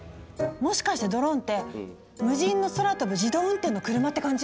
もしかしてドローンって無人の空飛ぶ自動運転の車って感じ？